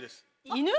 犬！